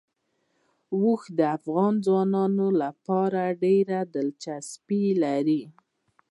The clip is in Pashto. اوښ د افغان ځوانانو لپاره ډېره دلچسپي لري.